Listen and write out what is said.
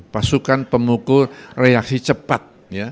pasukan pemukul reaksi cepat